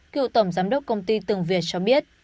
cựu tổng giám đốc công ty tường việt cho biết